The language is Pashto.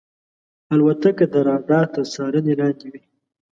الوتکه د رادار تر څارنې لاندې وي.